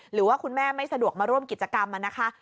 หรือว่าคุณแม่ไม่สะดวกมาร่วมกิจกรรมนะคะ